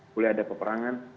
boleh ada peperangan